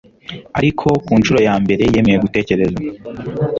ariko ku nshuro ya mbere, yemeye gutekereza